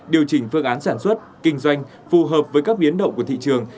điều chỉnh phương án sản xuất kinh doanh phù hợp với các biến động của thị trường